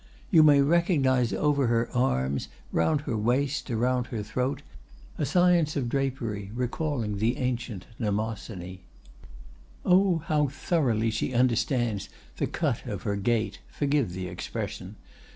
You may recognize over her arms, round her waist, about her throat, a science of drapery recalling the antique Mnemosyne. "Oh! how thoroughly she understands the cut of her gait—forgive the expression.